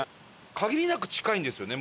限りなく近いんですよね